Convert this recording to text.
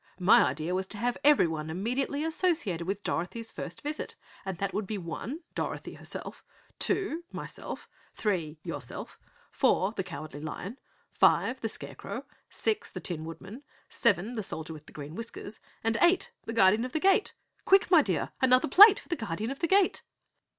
My idea was to have everyone immediately associated with Dorothy's first visit, and that would be, one Dorothy herself; two myself; three yourself; four the Cowardly Lion; five the Scarecrow; six the Tin Woodman; seven the Soldier with Green Whiskers, and eight the Guardian of the Gate. Quick, my dear! Another plate for the Guardian of the Gate."